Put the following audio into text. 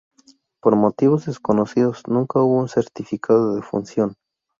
Por motivos desconocidos, nunca hubo un certificado de defunción.